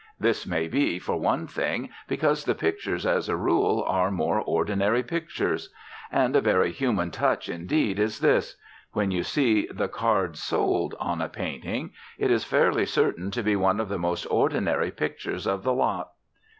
This may be, for one thing, because the pictures as a rule are more ordinary pictures. And a very human touch, indeed, is this: when you see the card "Sold" on a painting it is fairly certain to be one of the most ordinary pictures of the lot.